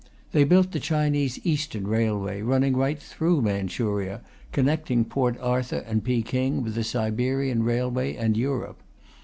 They built the Chinese Eastern Railway, running right through Manchuria, connecting Port Arthur and Peking with the Siberian Railway and Europe.